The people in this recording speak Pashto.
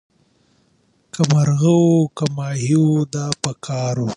که مرغه وو که ماهی د ده په کار وو